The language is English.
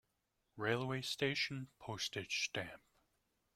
Railway station Postage stamp.